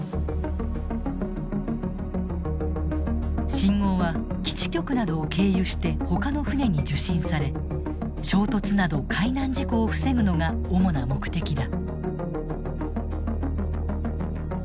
信号は基地局などを経由して他の船に受信され衝突など海難事故を防ぐのが主な目的だ。